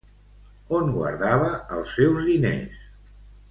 On guardava els seus diners?